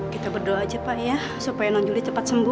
kita berdoa aja pak ya supaya non juli cepat sembuh